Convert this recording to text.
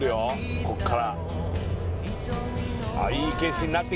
ここから！